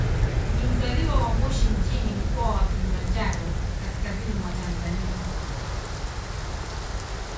Ni mzaliwa wa Moshi mjini, Mkoa wa Kilimanjaro, kaskazini mwa Tanzania.